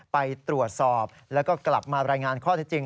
ไปตรวจสอบแล้วก็กลับมารายงานข้อเท็จจริง